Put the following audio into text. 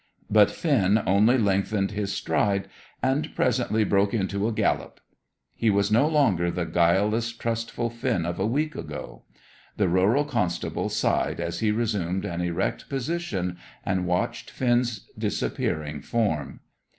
But Finn only lengthened his stride, and presently broke into a gallop. He was no longer the guileless, trustful Finn of a week ago. The rural constable sighed as he resumed an erect position and watched Finn's disappearing form.